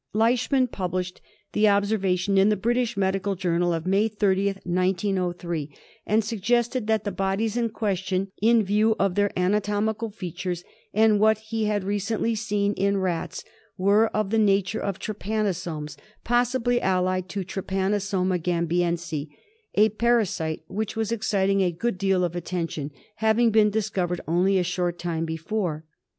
Leishman published the observation in the 'British Letehmsn body. Medical Journal of May 30th, 1903, and 'mTh'I^)'*' suggested that the bodies in question, in view of their anatomical features, and what he had recently seen in rats, were of the nature of trypanosomes, possibly allied to Trypanosoma gambiense — a parasite which was exciting a good deal of attention, having been discovered only a short time before.